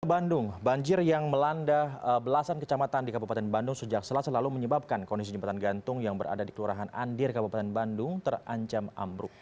di bandung banjir yang melanda belasan kecamatan di kabupaten bandung sejak selat selalu menyebabkan kondisi jembatan gantung yang berada di kelurahan andir kabupaten bandung terancam ambruk